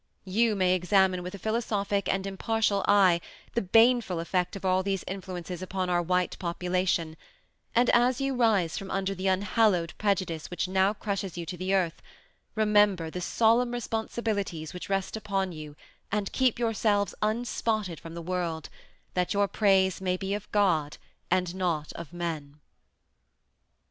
You may examine with a philosophic and impartial eye, the baneful effect of all these influences upon our white population, and as you rise from under the unhallowed prejudice which now crushes you to the earth, remember the solemn responsibilities which rest upon you and keep yourselves unspotted from the world, that your praise may be of God and not of men.